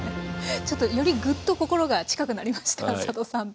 ちょっとよりぐっと心が近くなりました佐渡さんと。